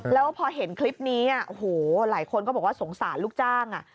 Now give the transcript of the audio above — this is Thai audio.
แล้วพอเห็นคลิปนี้หลายคนก็สงสารลูกจ้าง